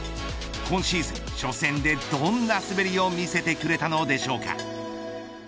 今シーズン、初戦でどんな滑りを見せてくれたのでしょうか。